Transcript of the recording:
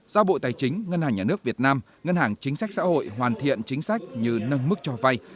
giao bộ tài chính ngân hàng nhà nước việt nam ngân hàng chính sách xã hội hoàn thiện chính sách như nâng mức cho vay